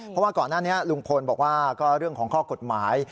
เพราะว่าก่อนหน้านี้ลุงพลบอกว่าก็เรื่องของข้อกฎหมาย